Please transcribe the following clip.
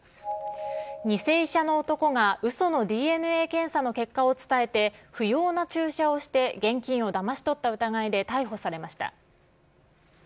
偽医者の男が、うそのＤＮＡ検査の結果を伝えて、不要な注射をして現金をだまし取った疑いで逮捕されました。